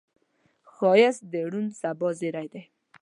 ښایست د روڼ سبا زیری دی